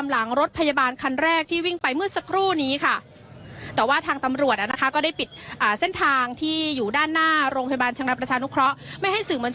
รถครั้งหน้ากรสที่นี่ค่ะรถกระโกะสองทีถูกให้ทำแล้ว